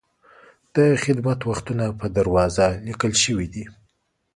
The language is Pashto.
د خدمت وختونه په دروازه لیکل شوي دي.